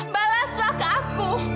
balaslah ke aku